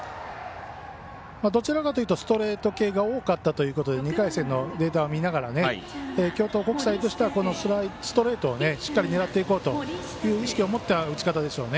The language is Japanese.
どちらかというとストレート系が多かったということで２回戦のデータを見ながら京都国際としてはストレートをしっかり狙っていこうという意識を持った打ち方でしょうね。